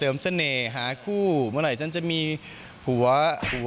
เออเสริมเสน่ห์หาคู่เมื่อไหร่ฉันจะมีผัวผัว